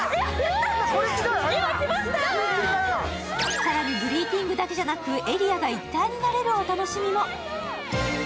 更に、グリーティングだけじゃなくエリアが一体になるお楽しみも。